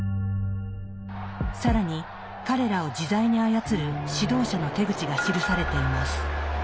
更に彼らを自在に操る指導者の手口が記されています。